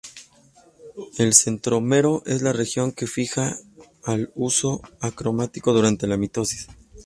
El centrómero es la región que se fija al huso acromático durante la mitosis.